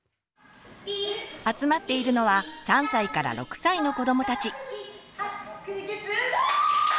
集まっているのは３歳６歳の子どもたち。